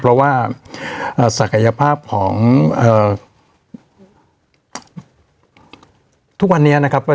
เพราะว่าอ่าศักยภาพของเอ่อทุกวันเนี้ยนะครับ